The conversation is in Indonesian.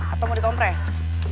atau mau di kompres